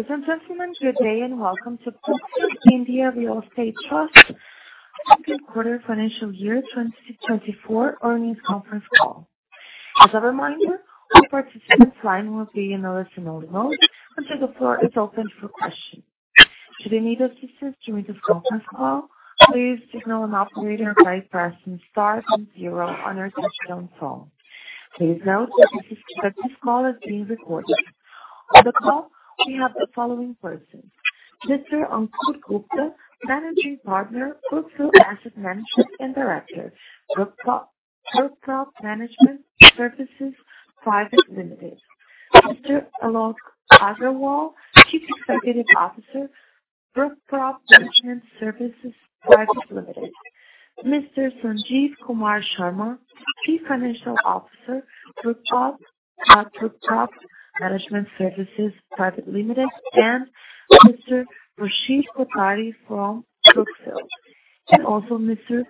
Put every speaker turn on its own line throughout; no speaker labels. Ladies and gentlemen, good day, and welcome to Brookfield India Real Estate Trust second quarter financial year 2024 earnings conference call. As a reminder, all participants line will be in a listen-only mode until the floor is open for questions. Should you need assistance during this conference call, please signal an operator by pressing star then zero on your touchtone phone. Please note that this call is being recorded. On the call, we have the following persons: Mr. Ankur Gupta, Managing Partner, Brookfield Asset Management, and Director, Brookprop Management Services Private Limited. Mr. Alok Aggarwal, Chief Executive Officer, Brookprop Management Services Private Limited. Mr. Sanjeev Kumar Sharma, Chief Financial Officer, Brookprop Management Services Private Limited, and Mr. Rachit Kothari from Brookfield, and also Mr.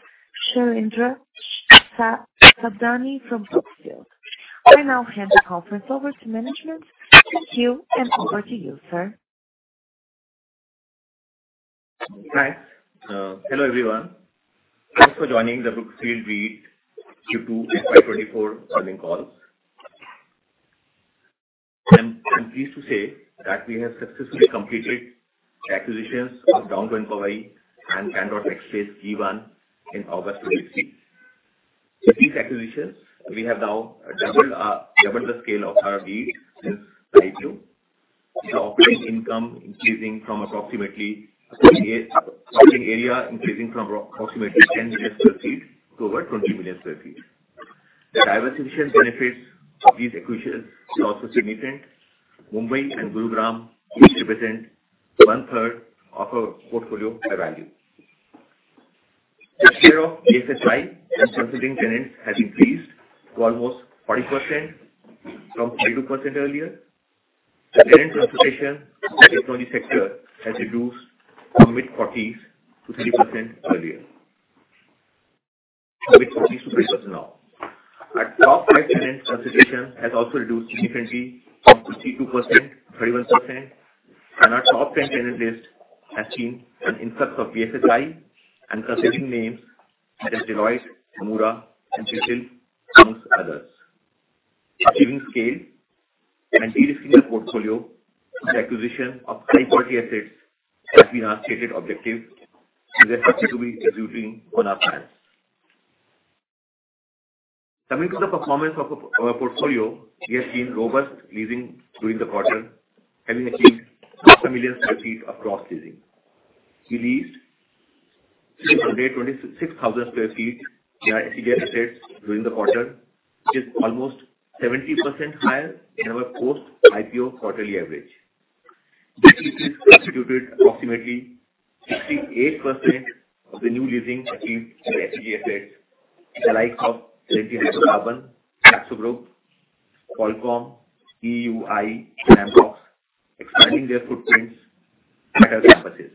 Shailendra Sabhnani from Brookfield. I now hand the conference over to management. Thank you, and over to you, sir.
Thanks. Hello, everyone. Thanks for joining the Brookfield REIT Q2 FY 2024 earnings call. I'm pleased to say that we have successfully completed the acquisitions of Downtown Powai and Candor TechSpace G1 in August 2023. With these acquisitions, we have now doubled, doubled the scale of our REIT since IPO. The operating income increasing from approximately 38, operating area increasing from approximately 10 million sq ft to over 20 million sq ft. Diversification benefits of these acquisitions is also significant. Mumbai and Gurugram each represent one-third of our portfolio by value. The share of BFSI and consulting tenants has increased to almost 40% from 32% earlier. The tenant concentration in the technology sector has reduced from mid-forties to 30% earlier. Mid-forties to 30% now. Our top five tenant concentration has also reduced significantly from 52% to 31%, and our top ten tenant list has seen an influx of BFSI and consulting names such as Deloitte, Nomura, and Citrix, among others. Achieving scale and de-risking our portfolio with the acquisition of high-quality assets has been our stated objective, and we're happy to be executing on our plans. Coming to the performance of the portfolio, we have seen robust leasing during the quarter, having achieved 500,000 sq ft of cross leasing. We leased 326,000 sq ft via SEZ assets during the quarter, which is almost 70% higher than our post-IPO quarterly average. This is constituted approximately 68% of the new leasing achieved in the SEZ assets in the likes of Tietoevry, Axtria, Qualcomm, D. E. Shaw, Samsung, expanding their footprints at our campuses.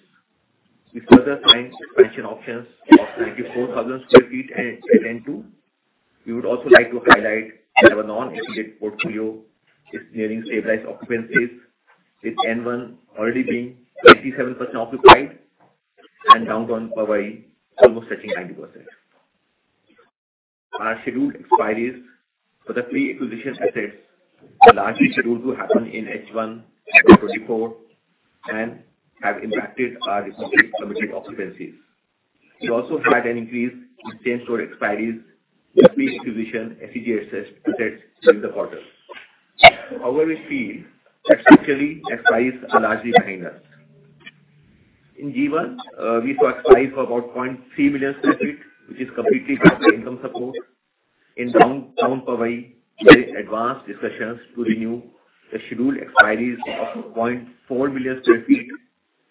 With further signed expansion options of 94,000 sq ft at N2, we would also like to highlight that our non-SEZ portfolio is nearing stabilized occupancies, with N1 already being 37% occupied and Downtown Powai almost touching 90%. Our scheduled expiries for the pre-acquisition assets are largely scheduled to happen in H1 of 2024 and have impacted our reported committed occupancies. We also had an increase in same-store expiries with pre-acquisition SEZ assets during the quarter. However, we feel that essentially expiries are largely behind us. In G1, we saw expiries for about 0.3 million sq ft, which is completely under income support. In Downtown Powai, we're in advanced discussions to renew the scheduled expiries of 0.4 million sq ft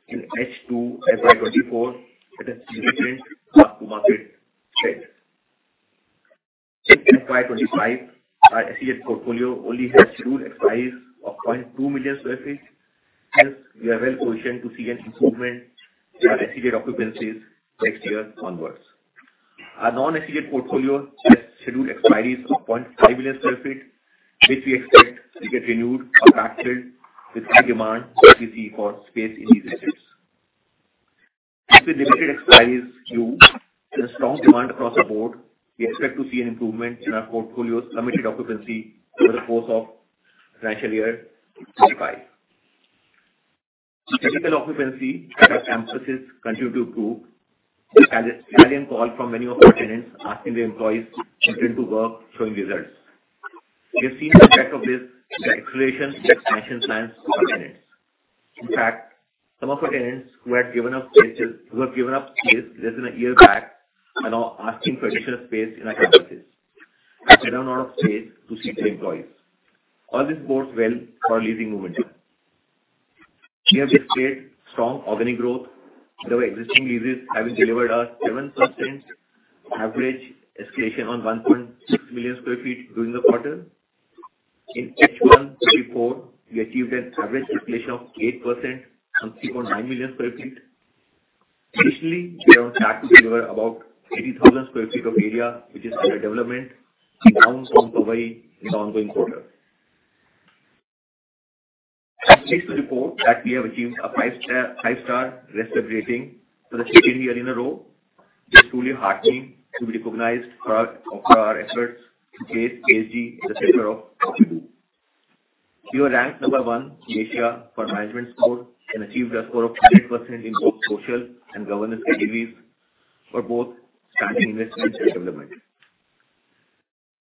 in H2 FY 2024 at a significant mark-to-market rate. In FY 25, our SEZ portfolio only has scheduled expiries of 0.2 million sq ft, hence we are well positioned to see an improvement in our SEZ occupancies next year onwards. Our non-SEZ portfolio has scheduled expiries of 0.5 million sq ft, which we expect to get renewed or backfilled with high demand we see for space in these assets. With the limited expiries due and a strong demand across the board, we expect to see an improvement in our portfolio's committed occupancy over the course of financial year 25. Physical occupancy at our campuses continue to improve, as clarion call from many of our tenants, asking their employees return to work showing results. We have seen the effect of this, the escalation in expansion plans of our tenants. In fact, some of our tenants who had given up spaces, who have given up space less than a year back are now asking for additional space in our campuses and a lot of space to seat their employees. All this bodes well for our leasing momentum. We have experienced strong organic growth, with our existing leases having delivered a 7% average escalation on 1.6 million sq ft during the quarter. In H1 2024, we achieved an average escalation of 8% on 3.9 million sq ft. Additionally, we are on track to deliver about 80,000 sq ft of area, which is under development in Downtown Powai in the ongoing quarter. I'm pleased to report that we have achieved a five-star GRESB rating for the second year in a row. It's truly heartening to be recognized for our, for our efforts to place ESG at the center of what we do. We were ranked number 1 in Asia for management score and achieved a score of 100% in both social and governance categories for both standard investment and development.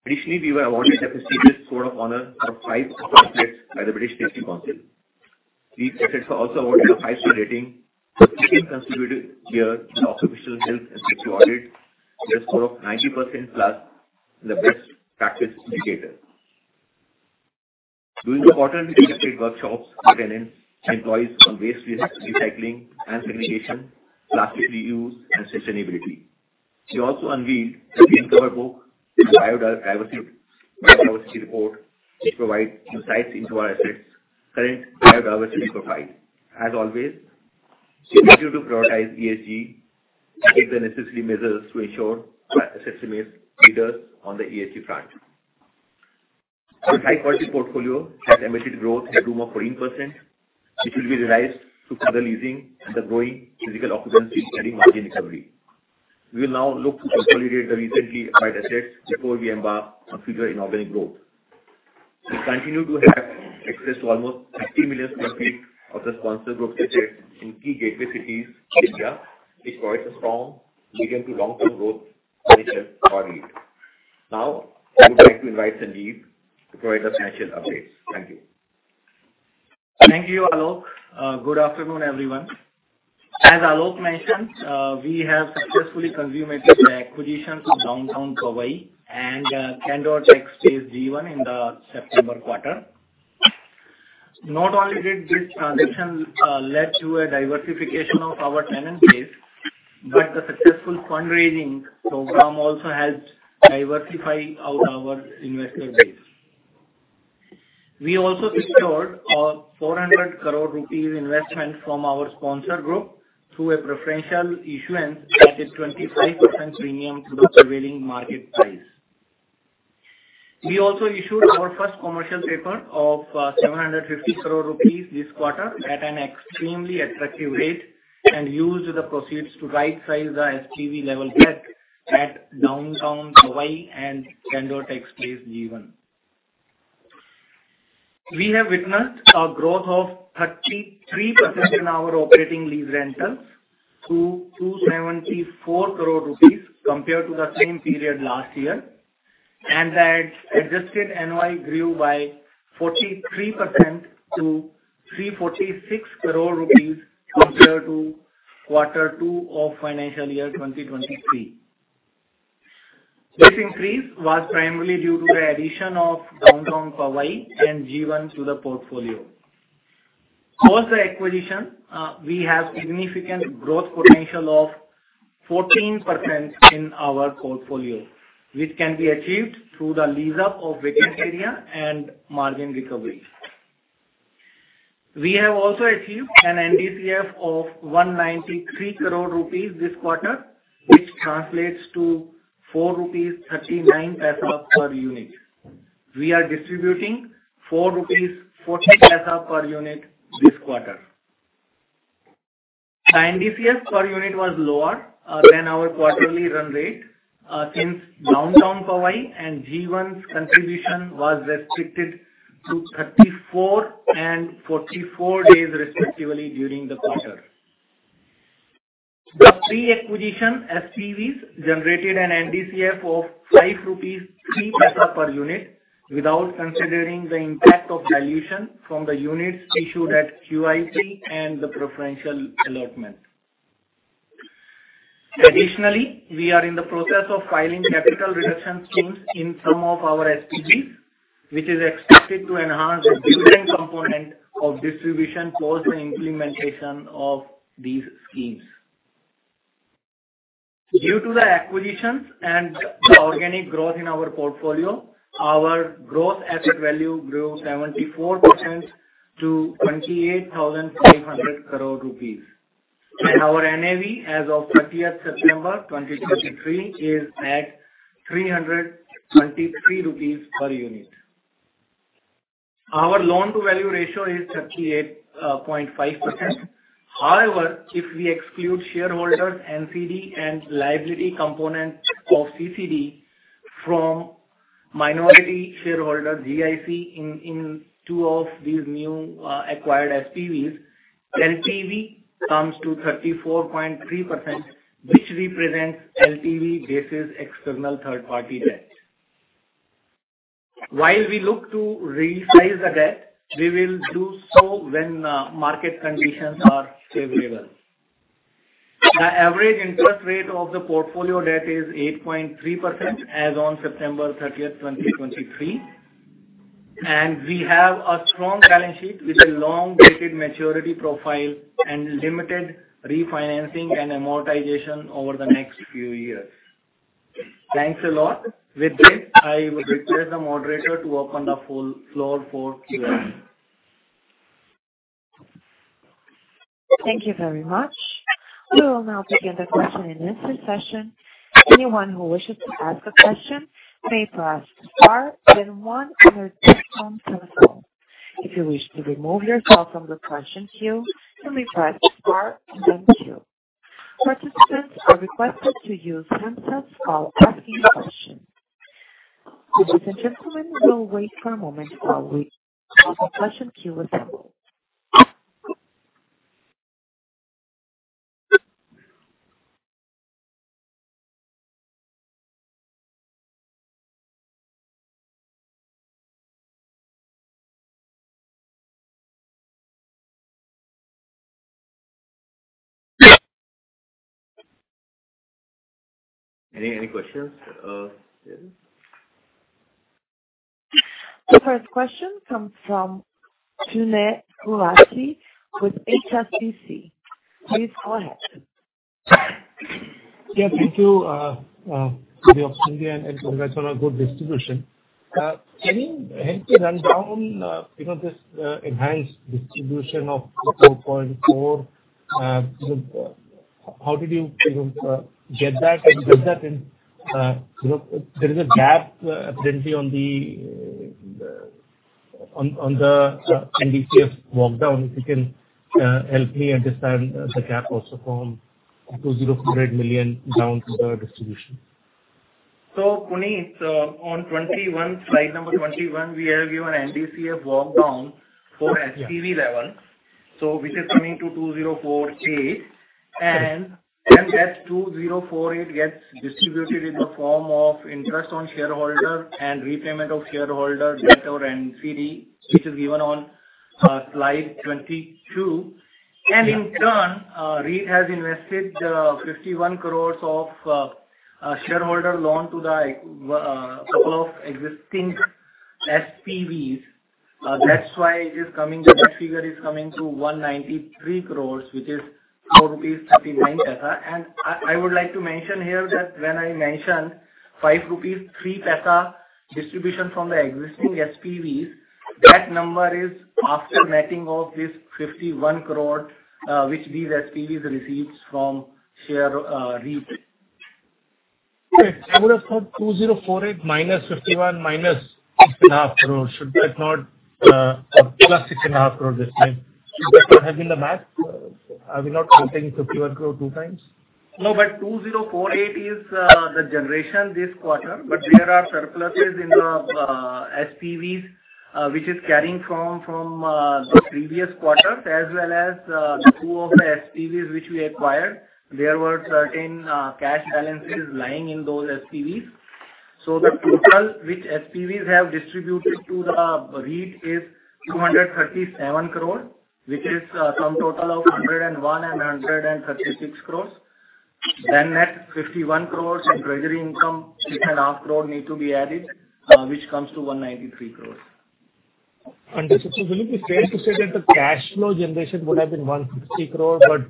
Additionally, we were awarded a prestigious score of honor of five-star plus by the British Council. We were also awarded a five-star rating for the second consecutive year in the Occupational Health and Safety Audit, with a score of 90% plus in the best practice indicator. During the quarter, we conducted workshops for tenants and employees on waste recycling and segregation, plastic reuse, and sustainability. We also unveiled a green cover book on biodiversity, biodiversity report, which provides insights into our assets' current biodiversity profile. As always, we continue to prioritize ESG and take the necessary measures to ensure that we remain leaders on the ESG front. Our high-quality portfolio has embedded growth at a rate of 14%, which will be realized through further leasing and the growing physical occupancy and margin recovery. We will now look to consolidate the recently acquired assets before we embark on future inorganic growth. We continue to have access to almost 50 million sq ft of the sponsor group assets in key gateway cities, India, which provides a strong pipeline to long-term growth potential for our REIT. Now, I would like to invite Sanjeev to provide the financial updates. Thank you.
Thank you, Alok. Good afternoon, everyone. As Alok mentioned, we have successfully consummated the acquisition of Downtown Powai and Candor TechSpace G1 in the September quarter. Not only did this transaction led to a diversification of our tenant base, but the successful fundraising program also helped diversify our investor base. We also secured an 400 crore rupees investment from our sponsor group through a preferential issuance at a 25% premium to the prevailing market price. We also issued our first commercial paper of 750 crore rupees this quarter at an extremely attractive rate, and used the proceeds to rightsize the SPV level debt at Downtown Powai and Candor TechSpace G1. We have witnessed a growth of 33% in our operating lease rentals to 274 crore rupees compared to the same period last year, and the adjusted NOI grew by 43% to 346 crore rupees compared to quarter two of financial year 2023. This increase was primarily due to the addition of Downtown Powai and G1 to the portfolio. Post the acquisition, we have significant growth potential of 14% in our portfolio, which can be achieved through the lease up of vacant area and margin recovery. We have also achieved an NDCF of 193 crore rupees this quarter, which translates to 4.39 rupees per unit. We are distributing 4.40 rupees per unit this quarter. The NDCF per unit was lower than our quarterly run rate since Downtown Powai and G1's contribution was restricted to 34 and 44 days, respectively, during the quarter. The pre-acquisition SPVs generated an NDCF of 5.03 rupees per unit, without considering the impact of dilution from the units issued at QIP and the preferential allotment. Additionally, we are in the process of filing capital reduction schemes in some of our SPVs, which is expected to enhance the dividend component of distribution post the implementation of these schemes. Due to the acquisitions and organic growth in our portfolio, our gross asset value grew 74% to 28,500 crore rupees, and our NAV as of 30 September 2023 is at 323 rupees per unit. Our loan-to-value ratio is 38.5%. However, if we exclude shareholders, NCD, and liability component of CCD from minority shareholder GIC in two of these new acquired SPVs, LTV comes to 34.3%, which represents LTV versus external third-party debt. While we look to reprice the debt, we will do so when market conditions are favorable. The average interest rate of the portfolio debt is 8.3% as on September 30, 2023, and we have a strong balance sheet with a long-dated maturity profile and limited refinancing and amortization over the next few years. Thanks a lot. With this, I would request the moderator to open the full floor for Q&A.
Thank you very much. We will now begin the question and answer session. Anyone who wishes to ask a question, may press star then one on your telephone. If you wish to remove yourself from the question queue, you may press star then two. Participants are requested to use handsets while asking questions. Ladies and gentlemen, we'll wait for a moment while we call the question queue assembled.
Any, any questions, James?
The first question comes from Puneet Gulati with HSBC. Please go ahead.
Yeah, thank you. Good afternoon and congrats on a good distribution. Can you help me run down, you know, this enhanced distribution of 4.4? You know, how did you, you know, get that and does that in... You know, there is a gap, apparently on the NDCF walk down, if you can help me understand the gap also from 204 million down to the distribution.
So Puneet, on 21, slide number 21, we have given NDCF walk down for SPV level.
Yeah.
So which is coming to 2048, and then that 2048 gets distributed in the form of interest on shareholder and repayment of shareholder debt, or NCD, which is given on slide 22.
Yeah.
In turn, REIT has invested 51 crore of a shareholder loan to the couple of existing SPVs. That's why it is coming, that figure is coming to 193 crore, which is 4.39 rupees. I, I would like to mention here that when I mentioned 5.03 rupees distribution from the existing SPVs, that number is after netting off this 51 crore, which these SPVs receives from share, REIT. Okay. I would have thought 2,048 crore minus 51 crore minus 6.5 crore. Should that not plus 6.5 crore this time? Should I have done the math, are we not counting 51 crore two times? No, but 2048 is the generation this quarter-
Okay.
But there are surpluses in the SPVs, which is carrying from the previous quarters, as well as two of the SPVs which we acquired. There were certain cash balances lying in those SPVs. So the total which SPVs have distributed to the REIT is 237 crore, which is sum total of 101 crore and 136 crore. Then net 51 crore and treasury income, 6.5 crore need to be added, which comes to 193 crore.
Understood. So will it be fair to say that the cash flow generation would have been 160 crore, but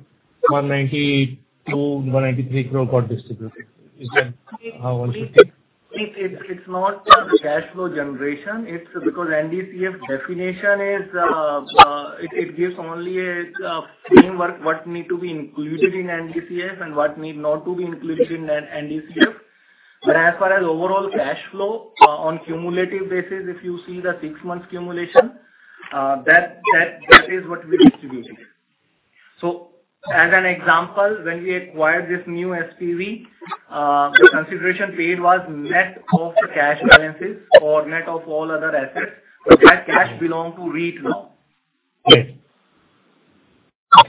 192 crore-193 crore got distributed. Is that how I should take?
It's not the cash flow generation; it's because the NDCF definition is, it gives only a framework what need to be included in NDCF and what need not to be included in an NDCF. But as far as overall cash flow, on cumulative basis, if you see the six months accumulation, that is what we distributed. So as an example, when we acquired this new SPV, the consideration paid was net of the cash balances or net of all other assets.
Okay.
That cash belong to REIT now.
Okay.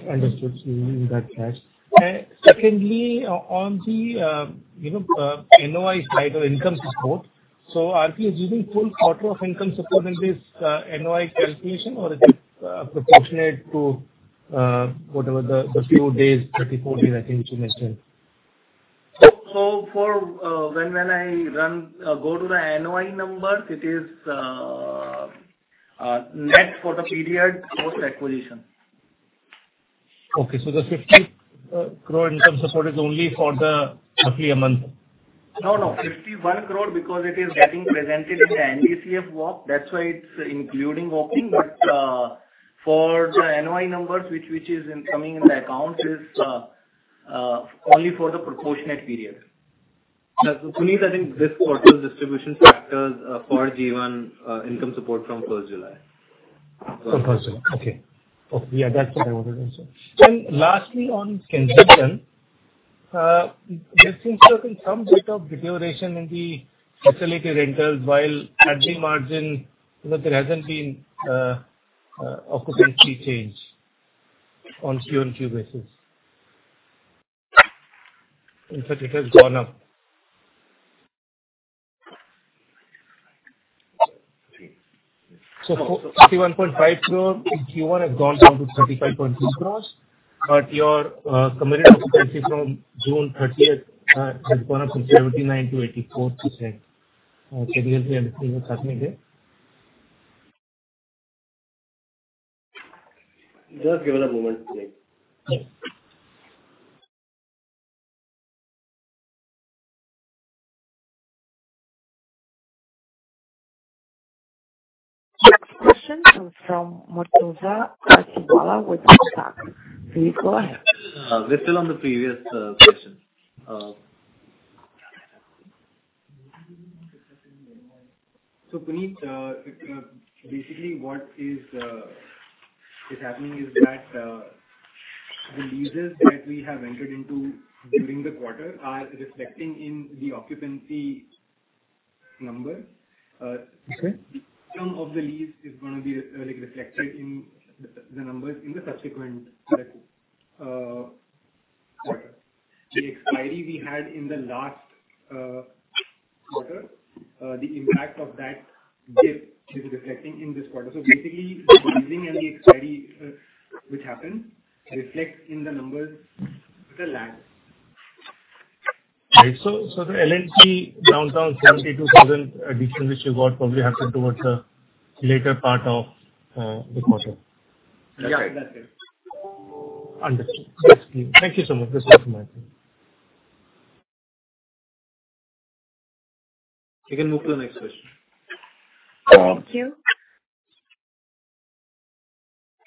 Understood, including that cash. Secondly, on the, you know, NOI slide or income support. So are we using full quarter of income support in this NOI calculation, or is it proportionate to whatever the few days, 34 days, I think you mentioned?
So, for when I run go to the NOI numbers, it is net for the period post-acquisition.
Okay, so the 50 crore income support is only for roughly a month?
No, no, 51 crore because it is getting presented in the NDCF walk. That's why it's including walking. But, for the NOI numbers, which, which is in, coming in the account, is, only for the proportionate period. Puneet, I think this quarter distribution factors, for Q1, income support from first July.
From July 1. Okay. Okay, yeah, that's what I wanted to say. Then lastly, on concession, there seems to have been some bit of deterioration in the facility rentals, while at the margin, you know, there hasn't been an occupancy change on Q-on-Q basis. In fact, it has gone up.
Okay.
31.5 crore in Q1 has gone down to 35.6 crore, but your committed occupancy from June 30 has gone up from 79% to 84%. Can you help me there?
Just give me a moment, please.
Okay....
Next question comes from Murtuza Arsiwalla with ICICI. Please go ahead.
We're still on the previous question. So Puneet, basically what is happening is that the leases that we have entered into during the quarter are reflecting in the occupancy number.
Okay.
Some of the lease is going to be, like, reflected in the numbers in the subsequent quarter. The expiry we had in the last quarter, the impact of that dip is reflecting in this quarter. So basically, the leasing and the expiry, which happened, reflect in the numbers with a lag.
Right. So, so the L&T Downtown 72,000 addition, which you got, probably happened towards the later part of the quarter?
Yeah, that's it.
Understood. Thank you. Thank you so much. That's all from my side.
We can move to the next question.
Thank you.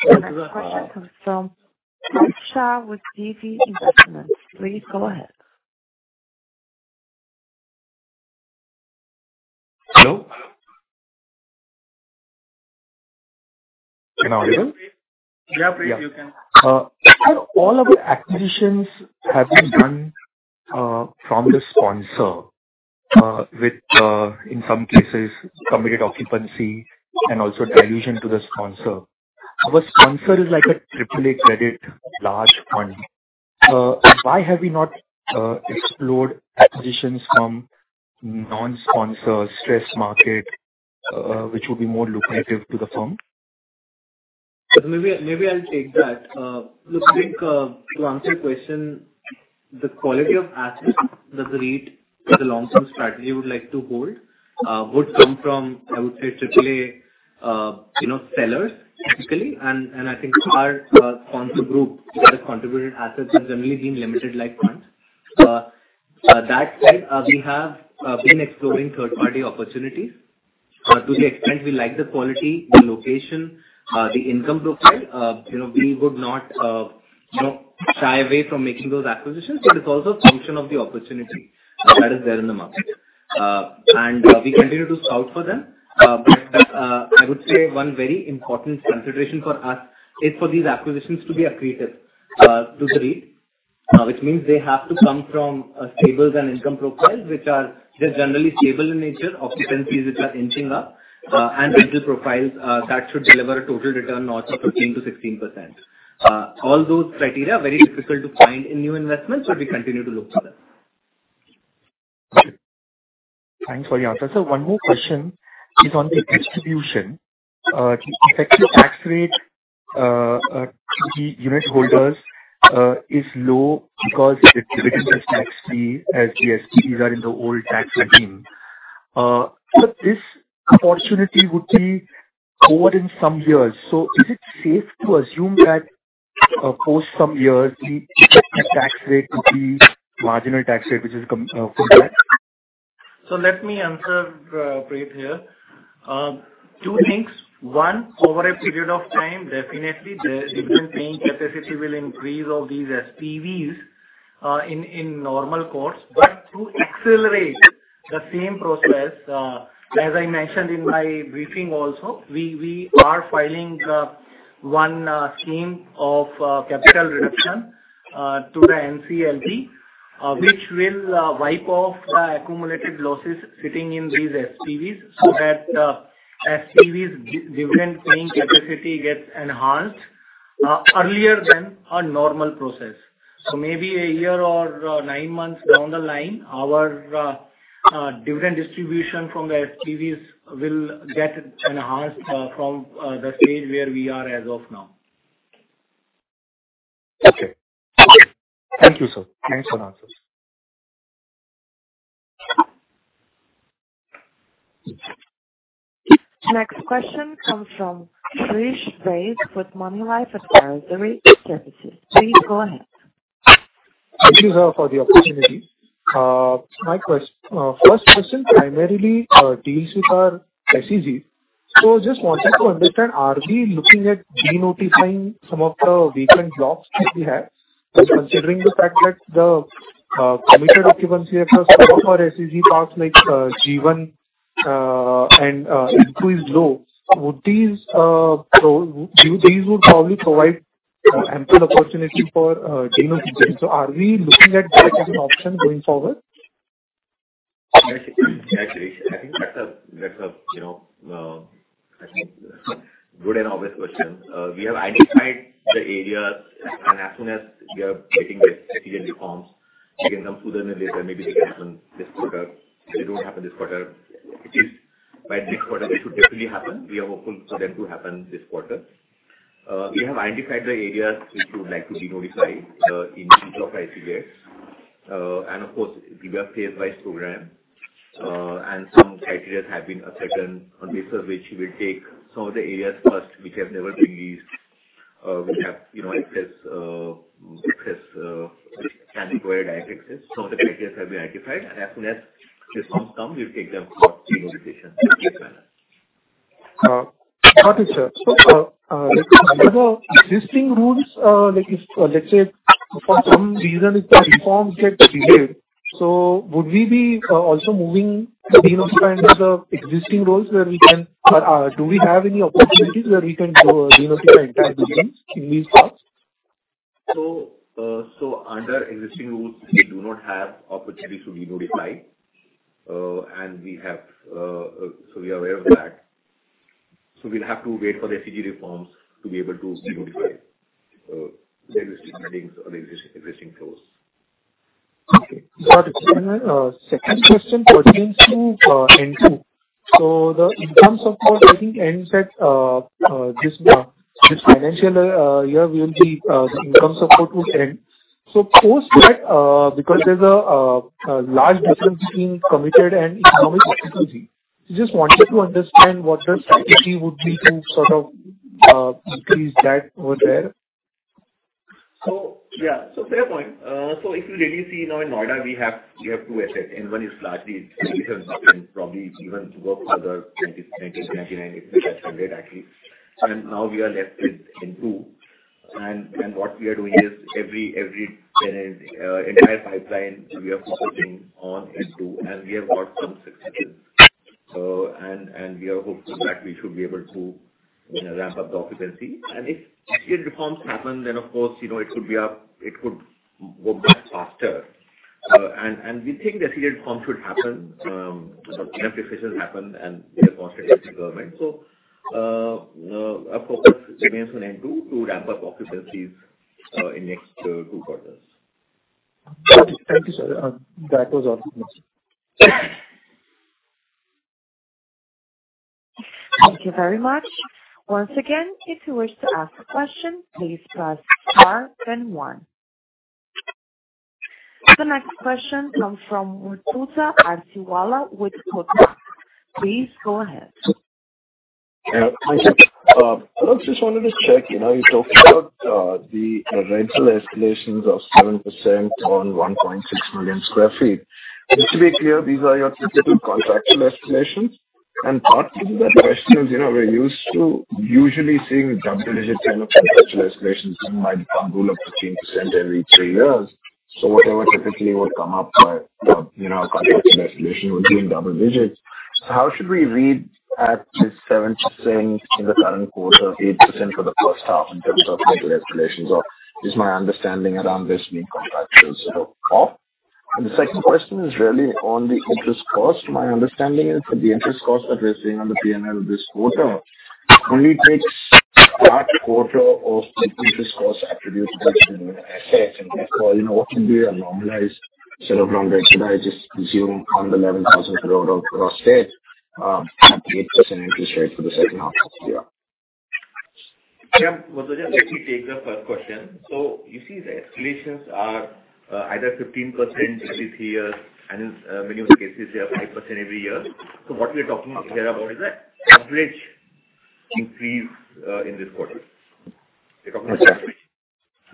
The next question comes from Parikshit Kandpal with HDFC Securities. Please go ahead.
Hello? Can I audio?
Yeah, Preet, you can.
All of the acquisitions have been done from the sponsor, with in some cases Committed Occupancy and also dilution to the sponsor. Our sponsor is like a triple-A credit large fund. Why have we not explored acquisitions from non-sponsor stress market, which would be more lucrative to the firm?
Maybe, maybe I'll take that. Look, Preet, to answer your question, the quality of assets that the REIT with a long-term strategy would like to hold would come from, I would say, triple-A, you know, sellers, basically. And I think our sponsor group that has contributed assets has generally been limited like funds. That said, we have been exploring third-party opportunities. To the extent we like the quality, the location, the income profile, you know, we would not, you know, shy away from making those acquisitions, but it's also a function of the opportunity that is there in the market. And we continue to scout for them. But I would say one very important consideration for us is for these acquisitions to be accretive to the REIT. which means they have to come from a stable and income profiles, which are just generally stable in nature, occupancies which are inching up, and rental profiles, that should deliver a total return north of 15%-16%. All those criteria are very difficult to find in new investments, but we continue to look for them.
Thanks for the answer. So one more question is on the distribution. The effective tax rate to the unitholders is low because the dividend is taxed as SPVs are in the old tax regime. So this fortunately would be over in some years. So is it safe to assume that post some years, the tax rate would be marginal tax rate, which is complex?
So let me answer, Preet, here. Two things. One, over a period of time, definitely the dividend paying capacity will increase of these SPVs, in normal course. But to accelerate the same process, as I mentioned in my briefing also, we are filing one scheme of capital reduction to the NCLT. Which will wipe off the accumulated losses sitting in these SPVs, so that SPVs dividend paying capacity gets enhanced earlier than a normal process. So maybe a year or nine months down the line, our dividend distribution from the SPVs will get enhanced from the stage where we are as of now.
Okay. Thank you, sir. Thanks for the answers.
Next question comes from Sameer Baisiwala with Morgan Stanley. Please go ahead.
Thank you, sir, for the opportunity. My first question primarily deals with our SEZ. So just wanted to understand, are we looking at denotifying some of the vacant blocks that we have? But considering the fact that the committed occupancy across some of our SEZ parts like G1 and Noida would these provide ample opportunity for denotification. So are we looking at that as an option going forward?
Yeah. I think that's a, you know, good and obvious question. We have identified the areas, and as soon as we are getting the forms, we can come to them later, maybe they can this quarter. They don't have it this quarter. By next quarter, it should definitely happen. We are hopeful for them to happen this quarter. We have identified the areas which would like to denotify, in terms of SEZs. And, of course, we have phase by program, and some criteria have been ascertain on the basis which we will take some of the areas first, which have never been leased.... We have, you know, excess, excess, standing where direct excess. Some of the criteria have been identified, and as soon as the forms come, we'll take them for denotification.
Got it, sir. So, under the existing rules, like if, let's say, for some reason if the reforms get delayed, so would we be also moving denotified under the existing rules where we can- do we have any opportunities where we can go denotify entire buildings in these parts?
So, under existing rules, we do not have opportunities to denotify. So we are aware of that. So we'll have to wait for the SEZ reforms to be able to denotify the existing buildings or the existing clause.
Okay. Got it. Second question pertains to N2. So the income support, I think, ends at this financial year. The income support will end. So post that, because there's a large difference between committed and economic occupancy. Just wanted to understand what the strategy would be to sort of increase that over there.
So, yeah. So fair point. So if you really see now in Noida, we have, we have two assets, and one is largely and probably even work further 2019, 2029, actually. And now we are left with N2. And what we are doing is every, every tenant, entire pipeline, we are focusing on N2, and we have got some successes. And we are hoping that we should be able to, you know, ramp up the occupancy. And if SEZ reforms happen, then, of course, you know, it could be up, it could work bit faster. And we think the SEZ reforms should happen, enough officials happen and they are constantly with the government. So our focus remains on N2 to ramp up occupancies, in next two quarters.
Thank you, sir. That was all.
Thank you very much. Once again, if you wish to ask a question, please press star then one. The next question comes from Murtuza Arsiwalla with Kotak Securities. Please go ahead.
Yeah, thank you. I just wanted to check, you know, you talked about the rental escalations of 7% on 1.6 million sq ft. Just to be clear, these are your typical contractual escalations? And part of the question is, you know, we're used to usually seeing double-digit kind of contractual escalations, some might rule of 15% every 3 years. So whatever typically would come up by, you know, contractual escalation would be in double digits. So how should we read at this 7% in the current quarter, 8% for the first half in terms of regular escalations, or is my understanding around this new contractual sort of off? And the second question is really on the interest cost. My understanding is that the interest cost that we're seeing on the PNL this quarter only takes a large quarter of the interest cost attribute to the asset. Therefore, you know, what can be a normalized set of numbers? Should I just assume on the level 1,000 crore of gross debt, at the 8% interest rate for the second half of this year?
Yeah. Let me take the first question. So you see, the escalations are either 15% every three years, and in many of the cases, they are 5% every year. So what we're talking here about is that average increase in this quarter.
Okay.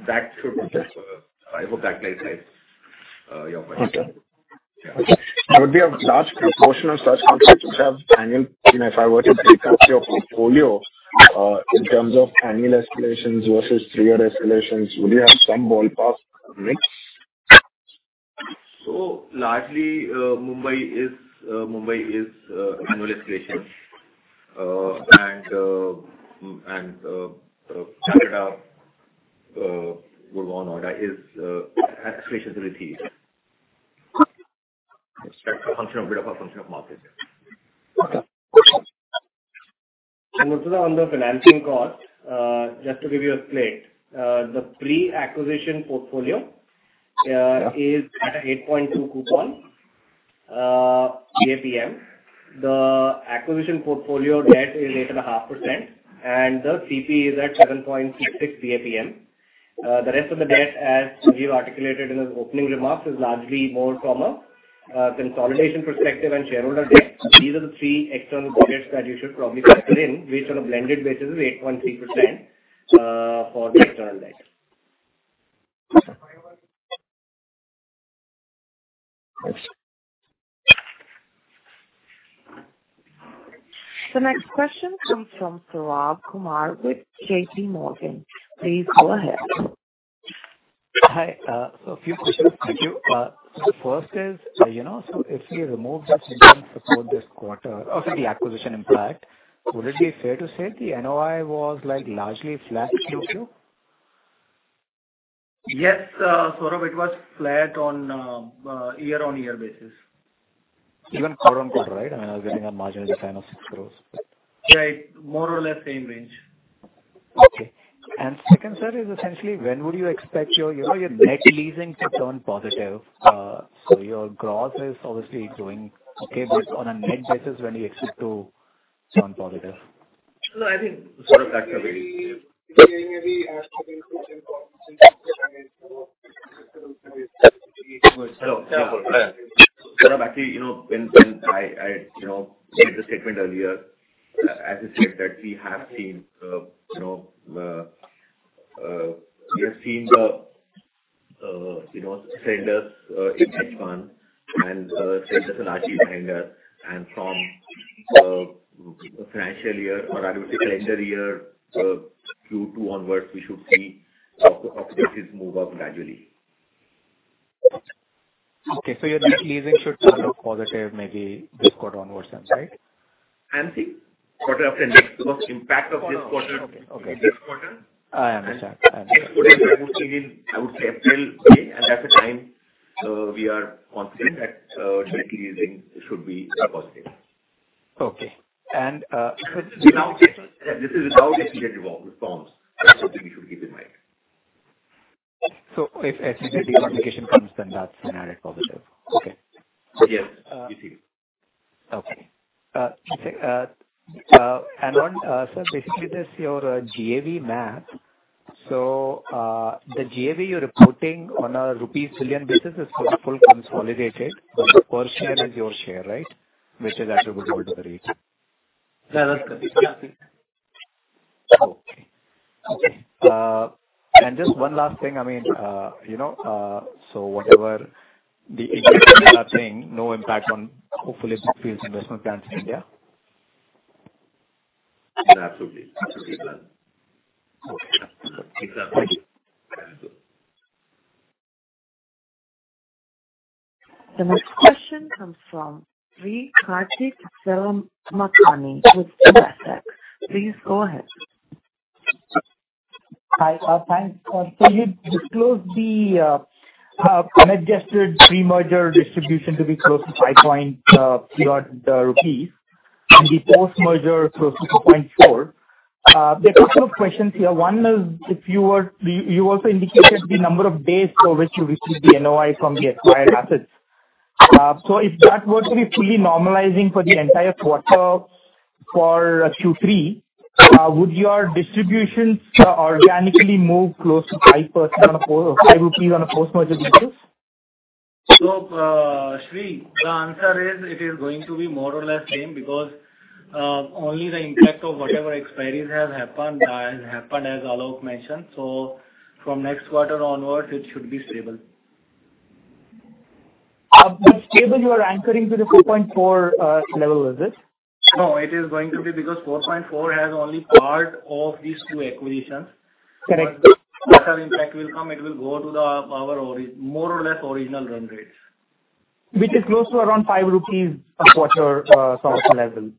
That should, I hope that clarifies, your question.
Okay.
Yeah.
Would we have large proportion of such subjects which have annual, you know, if I were to take up your portfolio, in terms of annual escalations versus three-year escalations, would you have some ballpark mix?
So largely, Mumbai is annual escalation. And Calcutta, well, Noida is escalations are repeated. A function of, a bit of a function of market.
Okay.
Also on the financing cost, just to give you a slate, the pre-acquisition portfolio,
Yeah.
is at an 8.2% coupon. The acquisition portfolio debt is 8.5%, and the CP is at 7.6%. The rest of the debt, as we've articulated in his opening remarks, is largely more from a consolidation perspective and shareholder debt. These are the three external debts that you should probably factor in, which on a blended basis is 8.3%, for the external debt.
The next question comes from Saurabh Kumar with JPMorgan. Please go ahead.
Hi. A few questions. Thank you. First is, you know, so if we remove the support this quarter or the acquisition impact, would it be fair to say the NOI was, like, largely flat Q2?
Yes, Saurabh, it was flat on year-over-year basis.
Even quarter-over-quarter, right? I mean, I was getting a marginal sign of 6% growth.
Right. More or less same range.
Okay. And second, sir, is essentially when would you expect your, you know, your net leasing to turn positive? So your growth is obviously growing okay, but on a net basis, when you expect to turn positive?
No, I think-
Sort of that way.
Maybe, maybe ask him to inform since...
Hello. Hello, actually, you know, when I made the statement earlier, as I said, that we have seen, you know, we have seen them since H1 and since we achieved higher. And from financial year or I would say calendar year Q2 onwards, we should see occupancies move up gradually.
Okay, so your net leasing should turn out positive, maybe this quarter onwards then, right?
I think quarter after next, because impact of this quarter-
Okay, okay.
-this quarter.
I understand.
Next quarter, we are moving in, I would say, April, okay? At the time, we are confident that net leasing should be positive.
Okay.
This is without ESG reforms. That's something we should keep in mind.
If SEZ denotification comes, then that's an added positive. Okay.
Yes, you see.
Okay. So basically, this your GAV math. So, the GAV you're reporting on an rupees billion basis is full consolidated. Per share is your share, right? Which is attributable to the REIT.
Yeah, that's correct.
Okay. Okay, and just one last thing. I mean, you know, so whatever they are saying, no impact on Brookfield's investment plans in India?
Absolutely. Absolutely plan.
Okay.
Exactly.
Thank you.
The next question comes from Sri Karthik Velamakanni with Spark Capital. Please go ahead.
Hi. Thanks. So you disclosed the adjusted pre-merger distribution to be close to 5 rupees, and the post-merger close to 4.4. There are two questions here. One is, you also indicated the number of days over which you received the NOI from the acquired assets. So if that were to be fully normalizing for the entire quarter for Q3, would your distributions organically move close to 5% on a INR 4 or 5 rupees on a post-merger basis?
So, Sri, the answer is it is going to be more or less same, because only the impact of whatever expiries have happened has happened, as Alok mentioned. So from next quarter onwards, it should be stable.
But stable, you are anchoring to the 4.4 level, is it?
No, it is going to be because 4.4 has only part of these two acquisitions.
Correct.
But after impact will come, it will go to our more or less original run rates.
Which is close to around 5 rupees a quarter, source level?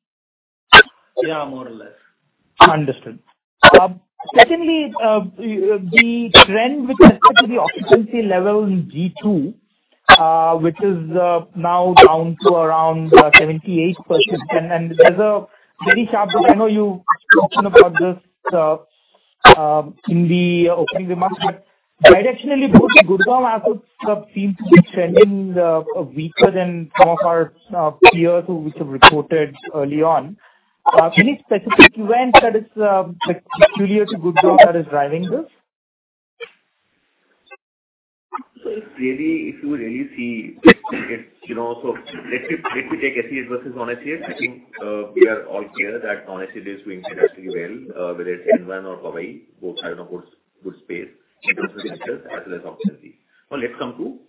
Yeah, more or less.
Understood. Secondly, the trend with respect to the occupancy level in G2, which is now down to around 78%. And there's a very sharp... I know you talking about this in the opening remarks, but directionally, both good assets seem to be trending weaker than some of our peers who, which have reported early on. Any specific events that is particular to Goodwill that is driving this?
So really, if you really see, it's, you know, so let me, let me take SEZ versus non-SEZ. I think, we are all clear that honestly, it is doing substantially well, whether it's N-One or Powai, both are in a good, good space as well as occupancy. Now let's come to,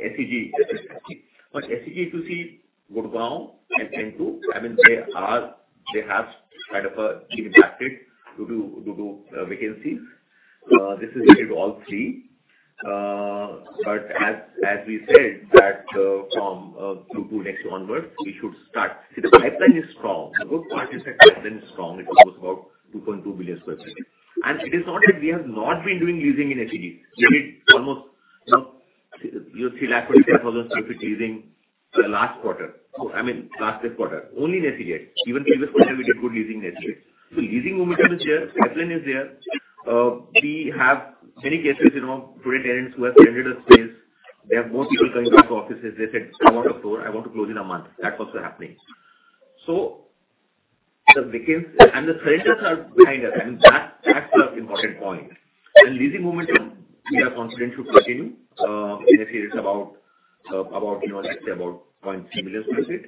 SEZ. But SEZ, if you see Gurugram and N-Two, I mean, they are- they have quite a impact due to vacancies. This is it all three. But as, as we said, that, from, Q2 next onwards, we should start to see. The pipeline is strong. The good part is that pipeline is strong. It's almost about 2.2 billion sq ft. And it is not that we have not been doing leasing in SEZ. We need almost, you know, you see 100,000 sq ft leasing the last quarter. I mean, last this quarter, only in SEZ. Even previous quarter, we did good leasing in SEZ. So leasing momentum is there, pipeline is there. We have many cases, you know, today, tenants who have rendered a space, they have more people coming back to offices. They said, "I want a floor. I want to close in a month." That's also happening. So the vacancy and the centers are behind us. I mean, that's the important point. And leasing momentum, we are confident, should continue. In a case about, you know, let's say about 0.3 million sq ft.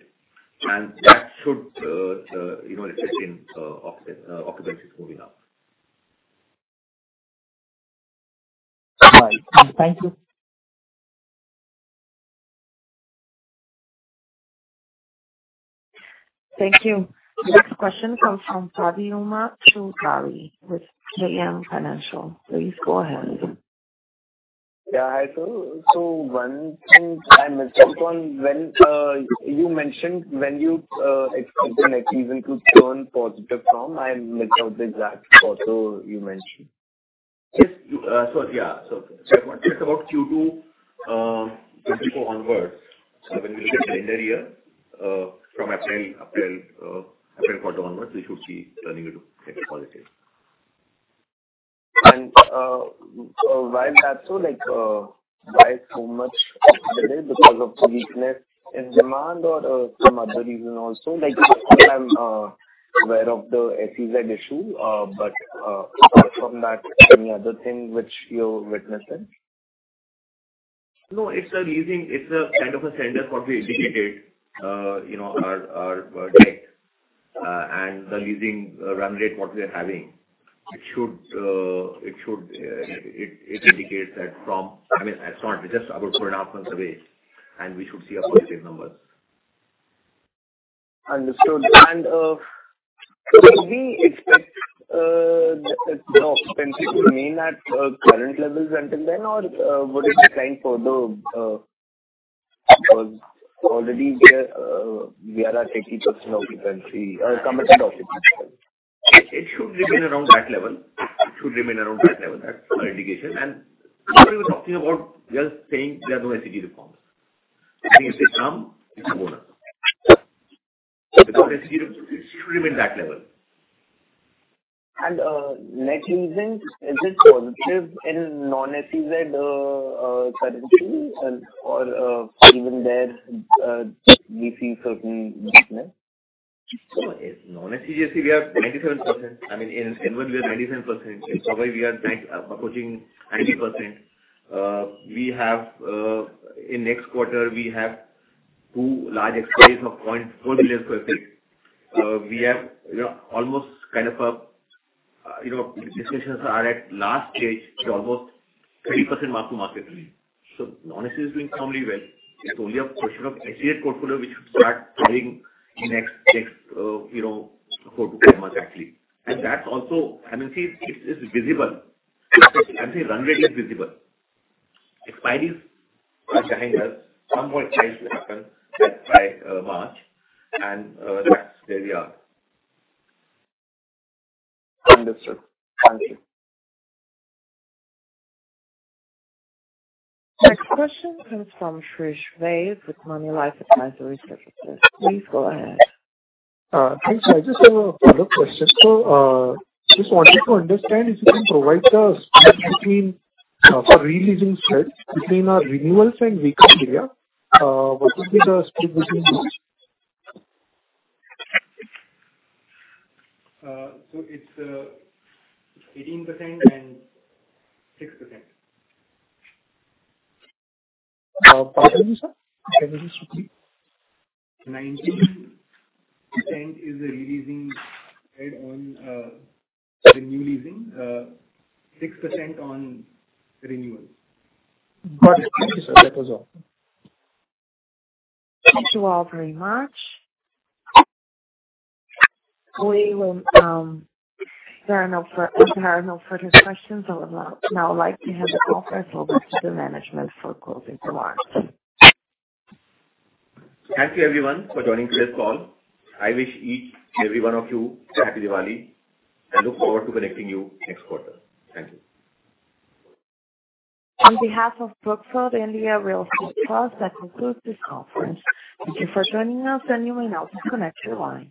And that should, you know, reflect in occupfancies moving up.
All right. Thank you.
Thank you. Next question comes from Pradyumna Choudhary with JM Financial. Please go ahead.
Yeah, hi, so, so one thing I missed out on when you mentioned when you expect the net leasing to turn positive from, I missed out the exact quarter you mentioned.
Yes. So, yeah, so it's about Q2 2024 onwards. So when we look at calendar year, from April quarter onwards, we should be turning it into positive.
Why that so, like, why so much delay? Because of the weakness in demand or some other reason also, like, aware of the SEZ issue, but apart from that, any other thing which you're witnessing?
No, it's a leasing, it's a kind of a standard what we indicate, you know, our deck. And the leasing run rate what we are having, it should indicate that from— I mean, it's not, it's just about 2.5 months away, and we should see positive numbers.
Understood. Would we expect the occupancy to remain at current levels until then, or would it decline further? Because already we are at 80% occupancy, committed occupancy.
It should remain around that level. It should remain around that level. That's our indication. And we were talking about just saying there are no SEZ reforms. If they come, it's bonus. It should remain that level.
Net leasing, is it positive in non-SEZ category and/or even there, we see certain weakness?
So in non-SEZ, we are 97%. I mean, in, in one we are 97%. In Mumbai, we are 90-approaching 90%. We have... In next quarter, we have 2 large expiries of 0.4 billion sq ft. We have, you know, almost kind of a, you know, discussions are at last stage to almost 30% mark-to-market lease. So honestly, it's doing fairly well. It's only a question of SEZ portfolio which should start coming next, next, you know, 4-5 months actually. And that's also, I mean, see, it's, it's visible. I mean, run rate is visible. Expiry is right behind us. Some point change will happen by March, and that's where we are.
Understood. Thank you.
Next question comes from Trish Ved with Morgan Stanley. Please go ahead.
Thanks. I just have a further question. So, just wanted to understand if you can provide the split between for re-leasing spread between our renewals and vacant area, what would be the split between these?
So it's 18% and 6%.
Pardon me, sir.
19% is a re-leasing spread on the new leasing, 6% on renewals.
Got it. Thank you, sir. That was all.
Thank you all very much. We will, there are no further questions. So I would now like to hand the conference over to the management for closing remarks.
Thank you everyone for joining today's call. I wish each and every one of you a happy Diwali, and look forward to connecting you next quarter. Thank you.
On behalf of Brookfield India Real Estate Trust, that concludes this conference. Thank you for joining us, and you may now disconnect your line.